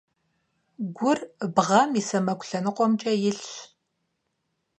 Гур бгъэм и сэмэгу лъэныкъумкӀэ илъщ.